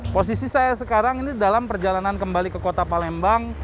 posisi saya sekarang ini dalam perjalanan kembali ke kota palembang